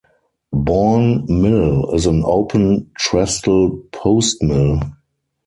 Bourne Mill is an open trestle post mill.